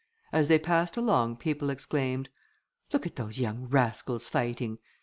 As they passed along, people exclaimed, "Look at those young rascals fighting!"